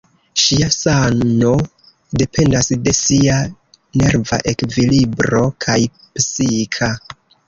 Ŝia sano dependas de sia nerva ekvilibro, kaj psika.